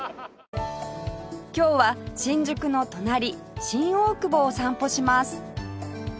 今日は新宿の隣新大久保を散歩します